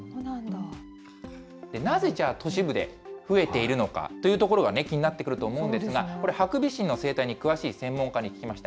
なぜ、じゃあ都市部で増えているのかというところが気になってくると思うんですが、これ、ハクビシンの生態に詳しい専門家に聞きました。